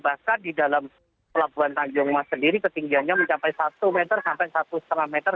bahkan di dalam pelabuhan tanjung mas sendiri ketinggiannya mencapai satu meter sampai satu lima meter